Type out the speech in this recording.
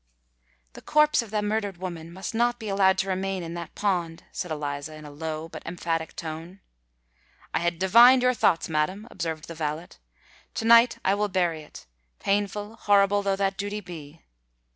"The corpse of the murdered woman must not be allowed to remain in that pond," said Eliza, in a low, but emphatic tone. "I had divined your thoughts, madam," observed the valet. "To night I will bury it—painful, horrible though that duty be."